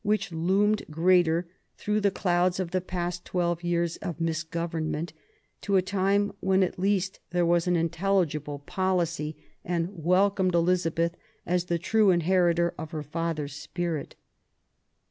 which loomed greater through the clouds of the past twelve years of misgovernment, to a time when at least there was an intelligible policy, and welcomed Elizslbeth as the true inheritor of her father s spirit.